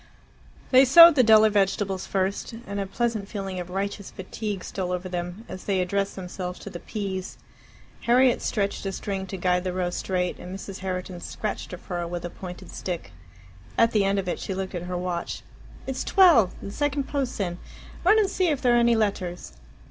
They sowed the duller vegetables first, and a pleasant feeling of righteous fatigue stole over them as they addressed themselves to the peas. Harriet stretched a string to guide the row straight, and Mrs. Herriton scratched a furrow with a pointed stick. At the end of it she looked at her watch. "It's twelve! The second post's in. Run and see if there are any letters."